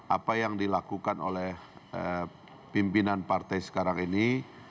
apa yang dilakukan oleh pimpinan partai sekarang ini